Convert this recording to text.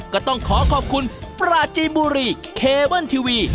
ก็ต้องขอขอบคุณปราจีนบุรีเคเบิ้ลทีวี